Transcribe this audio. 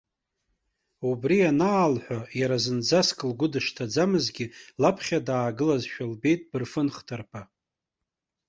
Убри анаалҳәа, иара зынӡаск лгәы дышҭаӡамызгьы, лаԥхьа даагылазшәа лбеит бырфын хҭарԥа.